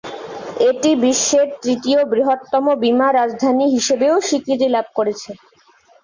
এটি বিশ্বের তৃতীয় বৃহত্তম বিমা রাজধানী হিসেবেও স্বীকৃতি লাভ করেছে।